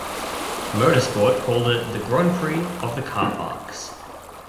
"Motor Sport" called it "The Grand Prix of the Car Parks.